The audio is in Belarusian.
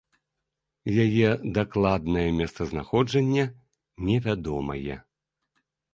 Яе дакладнае месцазнаходжанне невядомае.